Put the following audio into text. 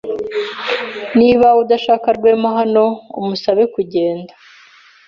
Niba udashaka Rwema hano, umusabe kugenda.